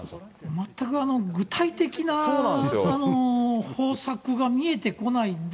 全く具体的な方策が見えてこないんで、